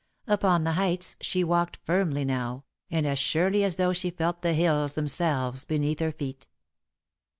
Upon the heights she walked firmly now, and as surely as though she felt the hills themselves beneath her feet.